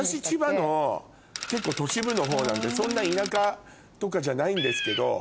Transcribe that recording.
結構都市部のほうなんでそんな田舎とかじゃないんですけど。